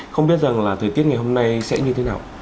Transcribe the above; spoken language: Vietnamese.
không biết rằng là thời tiết ngày hôm nay sẽ như thế nào